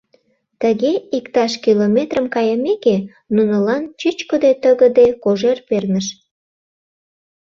Тыге иктаж километрым кайымеке, нунылан чӱчкыдӧ тыгыде кожер перныш.